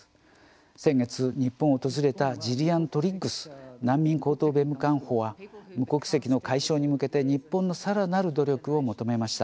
先月、日本を訪れたジリアン・トリッグス難民高等弁務官補は無国籍の解消に向けて日本のさらなる努力を求めました。